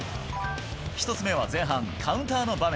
１つ目は前半、カウンターの場面。